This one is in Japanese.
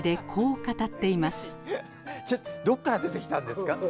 どっから出てきたんですか？